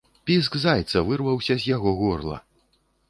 Піск зайца вырваўся з яго горла.